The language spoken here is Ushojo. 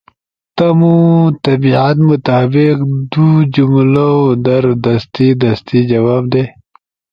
تمو طبیعت مطابق دُو جملؤ در دستی دستی جواب دے۔